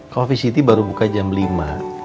coffee city baru buka jam lima